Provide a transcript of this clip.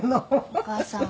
お母さん。